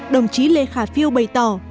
đồng chí lê khả phiêu bày tỏ